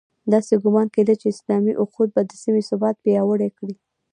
داسې ګومان کېده چې اسلامي اُخوت به د سیمې ثبات پیاوړی کړي.